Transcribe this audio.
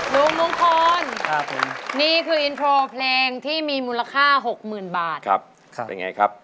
ลุงมงคลนี่คืออินโทรเพลงที่มีมูลค่า๖๐๐๐บาทเป็นไงครับ